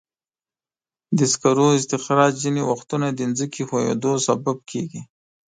د سکرو استخراج ځینې وختونه د ځمکې ښویېدلو سبب کېږي.